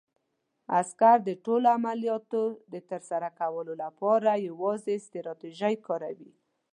عسکر د ټولو عملیاتو د ترسره کولو لپاره پراخې ستراتیژۍ کاروي.